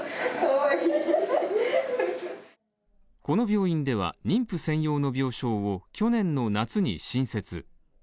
この病院では、妊婦専用の病床を、去年の夏に新設。